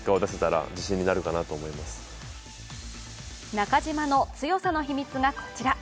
中島の強さの秘密がこちら。